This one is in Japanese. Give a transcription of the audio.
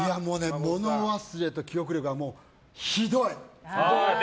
物忘れと記憶力はひどい。